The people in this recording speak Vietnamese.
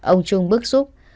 ông trung bức xúc